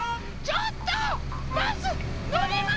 ちょっと！